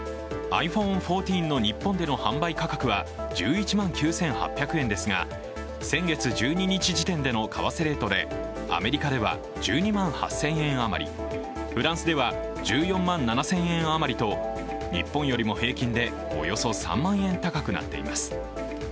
ｉＰｈｏｎｅ１４の日本での販売価格は１１万９８００円ですが、先月１２日時点での為替レートで、アメリカでは１２万８０００円余りフランスでは１４万７０００円余りと日本よりも平均でおよそ３万円高くなっています。